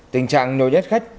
tình trạng nhồi nhét khách